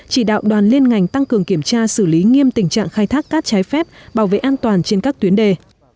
chỉ đạo đoàn liên ngành tăng cường kiểm tra xử lý nghiêm tình trạng khai thác cát trái phép bảo vệ an toàn trên các tuyến đề